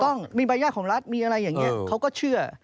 ต้องมีใบยาทของรัฐมีอะไรอย่างนี้เขาก็เชื่อ